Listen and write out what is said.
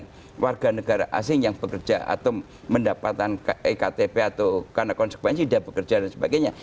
kemudian warga negara asing yang bekerja atau mendapatkan ektp atau karena konsekuensi dia bekerja dan sebagainya